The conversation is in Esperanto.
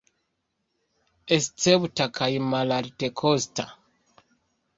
Escepta kaj malaltekosta.